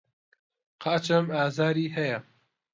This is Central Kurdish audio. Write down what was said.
قاچم ئازاری هەیە.